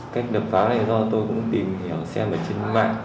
cách đập phá này do tôi cũng tìm hiểu xem ở trên mạng